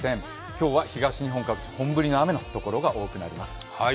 今日は東日本各地、本降りの雨のところが多くなりそうです。